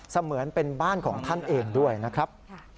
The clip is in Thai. เหมือนเป็นบ้านของท่านเองด้วยนะครับ